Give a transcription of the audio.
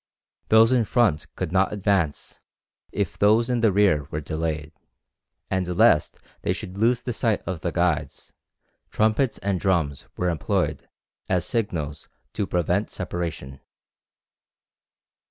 Those in front could not advance if those in the rear were delayed; and lest they should lose sight of the guides, trumpets and drums were employed as signals to prevent separation.